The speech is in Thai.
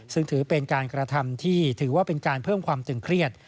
ซึ่งถือเป็นการกระทำที่ถือว่าเป็นการเพิ่มความตึงเครียด